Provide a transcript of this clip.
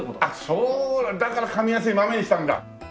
そうだからかみやすい豆にしたんだ。